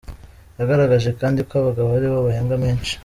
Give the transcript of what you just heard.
Yagaragaje kandi ko abagabo ari bo bahembwa menshi.